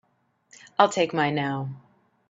I'll take mine now.